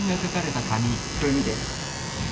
これ見て。